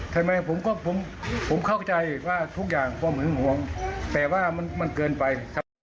ทำไมผมเข้าใจว่าทุกอย่างปรอมมือหวงแต่ว่ามันควรเกินไป